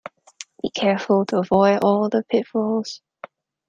Be careful to avoid all the pitfalls.